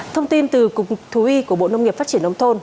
thông tin từ cục thú y của bộ nông nghiệp phát triển nông thôn